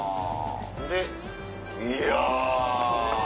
でいやぁ！